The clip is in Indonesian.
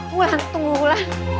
mulan tunggu mulan